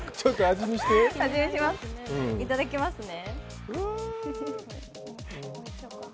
味見します、いただきますね。